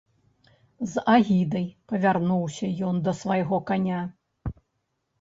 З агідай павярнуўся ён да свайго каня.